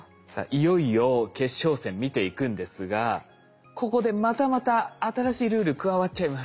いよいよ決勝戦見ていくんですがここでまたまた新しいルール加わっちゃいます。